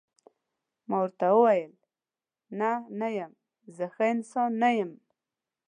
ما ورته وویل: نه، نه یم، زه ښه انسان نه یم.